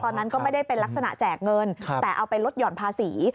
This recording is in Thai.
ตอนนั้นก็ไม่ได้เป็นลักษณะแจกเงินแต่เอาไปลดหย่อนภาษี